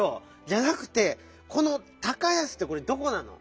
じゃなくてこの「高安」ってこれどこなの？